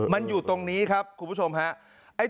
มันอยู่ตรงนี้ครับคุณผู้ชมครับ